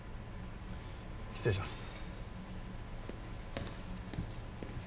失礼します。